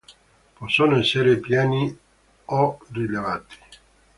Possono essere piani o rilevati.